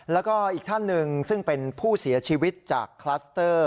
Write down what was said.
แล้วก็อีกท่านหนึ่งซึ่งเป็นผู้เสียชีวิตจากคลัสเตอร์